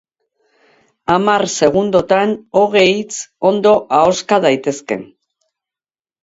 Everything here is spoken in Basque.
Hamar segundotan hogei hitz ondo ahoska daitezke.